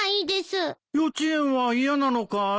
幼稚園は嫌なのかい？